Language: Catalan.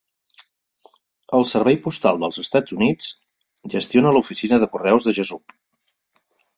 El Servei Postal del Estats Units gestiona l'oficina de correus de Jesup.